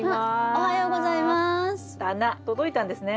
棚届いたんですね。